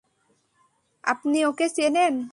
আপনি ওকে চেনেন?